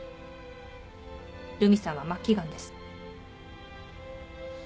留美さんは末期がんです。